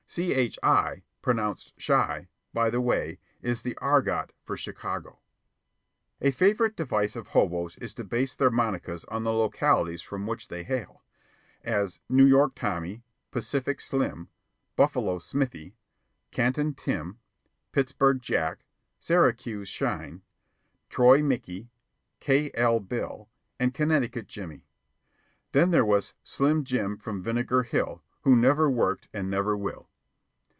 "Chi" (pronounced shy), by the way, is the argot for "Chicago." A favorite device of hoboes is to base their monicas on the localities from which they hail, as: New York Tommy, Pacific Slim, Buffalo Smithy, Canton Tim, Pittsburg Jack, Syracuse Shine, Troy Mickey, K.L. Bill, and Connecticut Jimmy. Then there was "Slim Jim from Vinegar Hill, who never worked and never will."